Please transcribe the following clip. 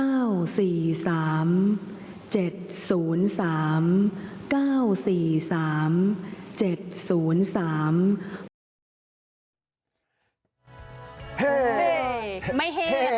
ไม่เฮ่ค่ะฉันไม่เฮ่ค่ะ